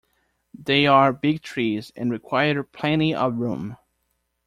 They are big trees and require plenty of room.